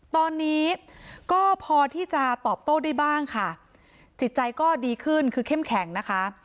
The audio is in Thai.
ตอนนี้ก็พอที่จะตอบโต้ได้บ้างค่ะจิตใจก็ดีขึ้นคือเข้มแข็งนะคะ